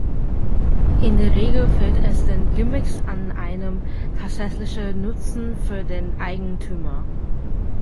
In der Regel fehlt es den Gimmicks an einem tatsächlichen Nutzen für den Eigentümer.